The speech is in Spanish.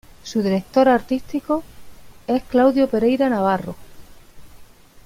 Su Director Artístico es Claudio Pereira Navarro.